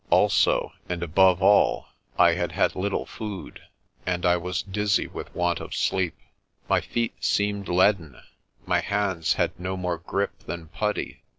Also, and above all, I had had little food, and I was dizzy with want of sleep. My feet seemed leaden, my hands had no more grip than putty.